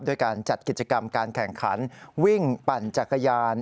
ด้วยการจัดกิจกรรมการแข่งขันวิ่งปั่นจักรยาน